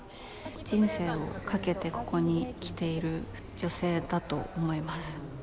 人生をかけてここに来ている女性だと思います。